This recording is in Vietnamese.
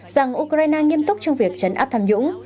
rằng ukraine nghiêm túc trong việc chấn áp tham nhũng